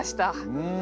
うん。